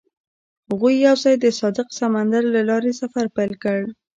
هغوی یوځای د صادق سمندر له لارې سفر پیل کړ.